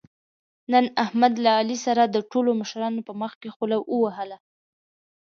نن احمد له علي سره د ټولو مشرانو په مخکې خوله ووهله.